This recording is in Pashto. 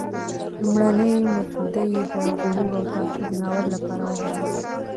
لومړنی مسوده یې د "غرور او تعصب" ناول لپاره ولېږله.